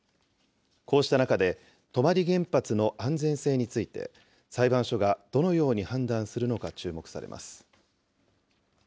こうした中で、泊原発の安全性について、裁判所がどのように判断するのか注目されます。